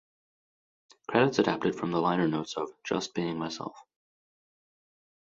Credits adapted from the liner notes of "Just Being Myself".